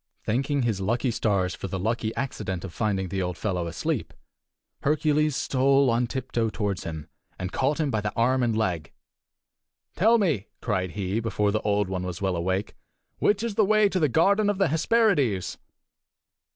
Thanking his stars for the lucky accident of finding the old fellow asleep, Hercules stole on tiptoe toward him, and caught him by the arm and leg. "Tell me," cried he, before the Old One was well awake, "which is the way to the garden of the Hesperides?"